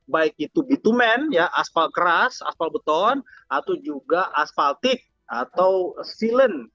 baik itu bitumen asfal keras asfal beton atau juga asfaltik atau silen